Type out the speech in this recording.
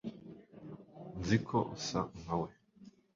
nzi uko usa nka we